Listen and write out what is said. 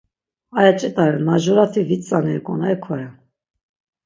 Aya ç̌it̆a ren, majurati vit tzaneri ǩonari koren.